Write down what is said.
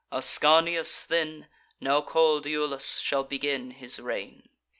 Ascanius then, Now call'd Iulus, shall begin his reign.